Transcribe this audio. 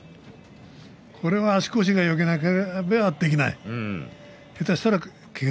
これは足腰がよくなけりゃできない。